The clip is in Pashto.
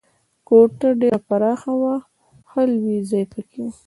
کوټه ډېره پراخه وه، ښه لوی ځای پکې و.